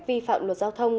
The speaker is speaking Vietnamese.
vi phạm luật giao thông